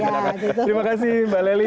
terima kasih mbak lely